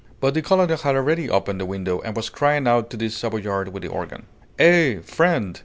But the colonel had already opened the window, and was crying out to the Savoyard with the organ: "Eh! Friend!